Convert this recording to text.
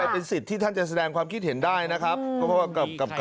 เป็นสิทธิ์ที่ท่านจะแสดงความคิดเห็นได้นะครับ